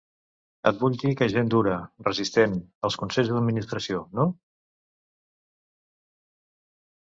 Et vull dir que gent dura, resistent, als consells d’administració, no?